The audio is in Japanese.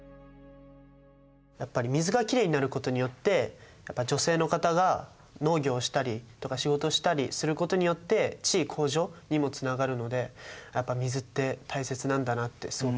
やっぱり水がきれいになることによって女性の方が農業したりとか仕事したりすることによって地位向上にもつながるのでやっぱ水って大切なんだなってすごく思いました。